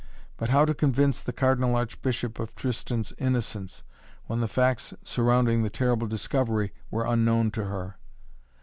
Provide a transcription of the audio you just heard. But how to convince the Cardinal Archbishop of Tristan's innocence, when the facts surrounding the terrible discovery were unknown to her?